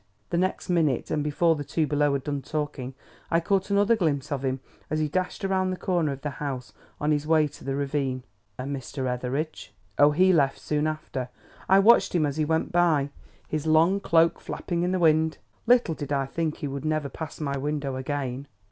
The next minute, and before the two below had done talking; I caught another glimpse of him as he dashed around the corner of the house on his way to the ravine." "And Mr. Etheridge?" "Oh, he left soon after. I watched him as he went by, his long cloak flapping in the wind. Little did I think he would never pass my window again."